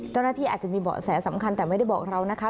เจ้าหน้าที่อาจจะมีเบาะแสสำคัญแต่ไม่ได้บอกเรานะคะ